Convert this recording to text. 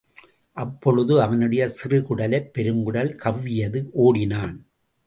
அப்பொழுது அவனுடைய சிறுகுடலைப் பெருங்குடல் கவ்வியது, ஓடினான்.